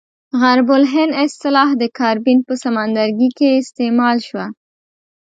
غرب الهند اصطلاح د کاربین په سمندرګي کې استعمال شوه.